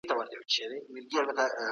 ایا کوچني پلورونکي انځر اخلي؟